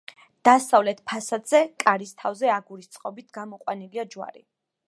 დასავლეთ ფასადზე, კარის თავზე აგურის წყობით გამოყვანილია ჯვარი.